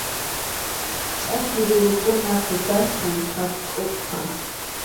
Ch’aki rurukuna kutasqam hakʼuqa.